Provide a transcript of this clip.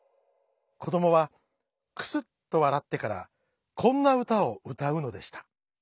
こどもはくすっとわらってからこんなうたをうたうのでした。